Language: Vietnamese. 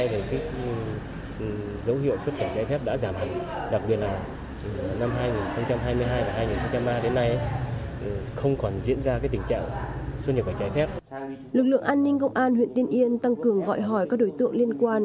lực lượng an ninh công an huyện tiên yên tăng cường gọi hỏi các đối tượng liên quan